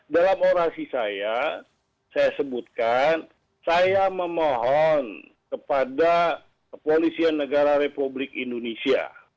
dalam orasi saya saya sebutkan saya memohon kepada kepolisian negara republik indonesia